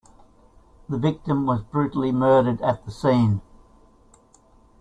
The victim was brutally murdered at the scene.